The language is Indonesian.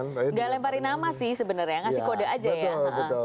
nggak lemparin nama sih sebenarnya ngasih kode aja ya